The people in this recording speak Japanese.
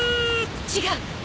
違う！